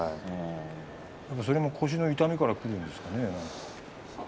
それも腰の痛みからくるんですかね。